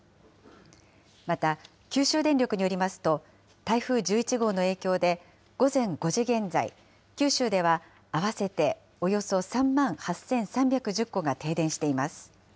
また、九州電力によりますと、台風１１号の影響で、午前５時現在、九州では合わせておよそ３万８３１０戸が停電しています。